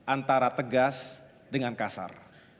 antara tegas dengan kasar